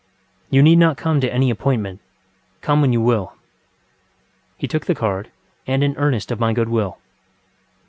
You need not come to any appointment. Come when you will. ŌĆØ He took the card, and an earnest of my good will.